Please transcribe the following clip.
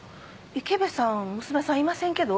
池部さん娘さんいませんけど。